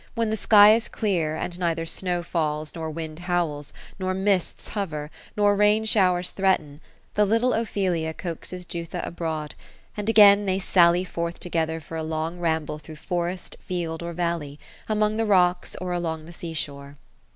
When the sky is clear, and neither snow falls, nor winds howl, nor mists hover, nor raiii showers threaten, the little Ophelia coaxes Jutha abroad ; and again they sally forth together for a long ramble through forest, field, or valley ; among the rocks, or along the sea shore.